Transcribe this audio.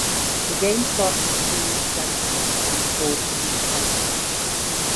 The game starts with two januses on the board for each color.